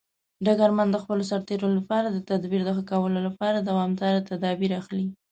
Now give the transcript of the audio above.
ډګرمن د خپلو سرتیرو لپاره د تدابیر د ښه کولو لپاره دوامداره تدابیر اخلي.